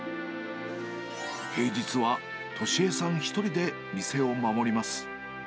平日は俊恵さん１人で店を守ります。